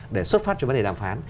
để xuất phát cho vấn đề đàm phán